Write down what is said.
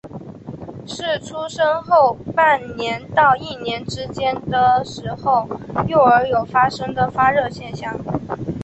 是出生后半年到一年之间的时候幼儿有发生的发热现象。